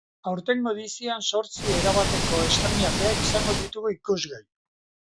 Aurtengo edizioan zortzi erabateko estreinaldiak izango ditugu ikusgai.